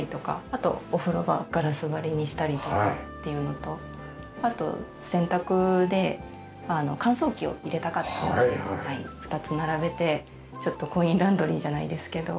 あとお風呂場をガラス張りにしたりとかっていうのとあと洗濯で乾燥機を入れたかったので２つ並べてちょっとコインランドリーじゃないですけど。